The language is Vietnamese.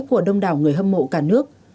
của đông đảo người hâm mộ cả nước